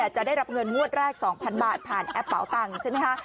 จะได้รับเงินงวดแรก๒๐๐๐บาทผ่านแอปเป่าตังค์ใช่ไหมคะ